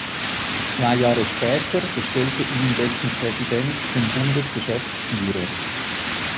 Zwei Jahre später bestellte ihn dessen Präsident zum Bundesgeschäftsführer.